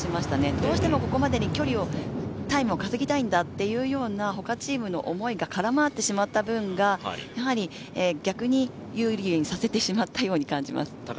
どうしても、ここまでにタイムを稼ぎたいんだという他チームの思いが空回りしてしまった分が逆に有利にさせてしまったように感じます。